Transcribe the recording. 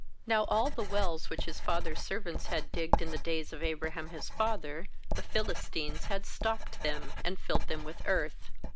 15Now all the wells which his father's servants had digged in the days of Abraham Ms father, the PMlistines had stopped them, and filled them with earth.